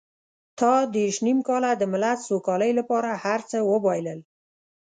تا دېرش نيم کاله د ملت سوکالۍ لپاره هر څه وبایلل.